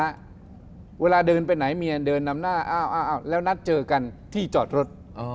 เชื่องช้าเวลาเดินไปไหนเมียเดินนำหน้าแล้วนัดเจอกันที่จอดรถ